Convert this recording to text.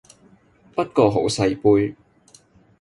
不過好細杯